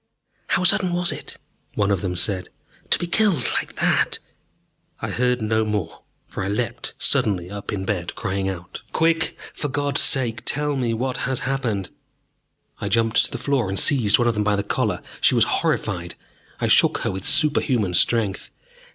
"How sudden it was!" one of them said. "To be killed like that " I heard no more, for I leapt suddenly up in bed, crying out. "Quick! For God's sake, tell me what has happened!" I jumped to the floor and seized one of them by the collar. She was horrified. I shook her with a superhuman strength.